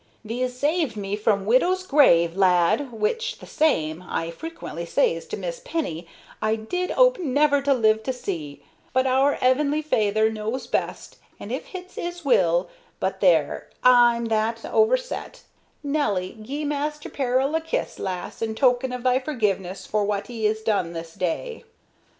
"Thee's saved me from widow's grave, lad, which the same, I frequent saz to Miss Penny, I did 'ope never to live to see; but our 'Eveanly Feyther knows best, and if hits 'Is will But there, I'm that over set Nelly, gie Maister Peril a kiss, lass, in token of thy forgiveness for what 'e's done this day."